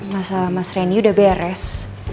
masa mas reni udah beres